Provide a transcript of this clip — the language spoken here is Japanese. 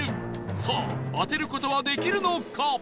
さあ当てる事はできるのか？